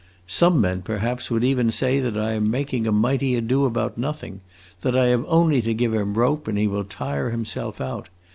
Some men, perhaps, would even say that I am making a mighty ado about nothing; that I have only to give him rope, and he will tire himself out.